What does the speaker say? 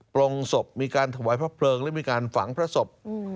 โรงศพมีการถวายพระเพลิงและมีการฝังพระศพ